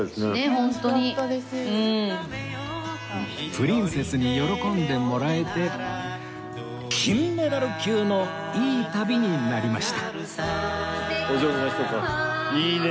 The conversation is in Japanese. プリンセスに喜んでもらえて金メダル級のいい旅になりました